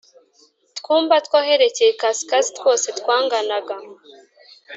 Twumba tw aherekeye ikasikazi twose twanganaga